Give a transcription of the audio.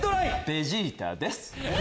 ベジータです。